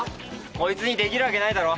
こいつにできるわけないだろ。